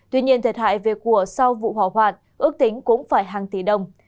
tuy nhiên thiệt hại về của sau vụ hỏa hoạn ước tính cũng phải hàng tỷ đồng